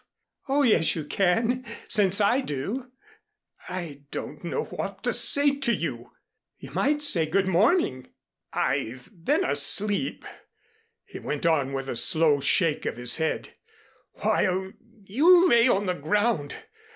"Oh, yes, you can, since I do." "I don't know what to say to you." "You might say 'good morning.'" "I've been asleep," he went on with a slow shake of his head, "while you lay on the ground.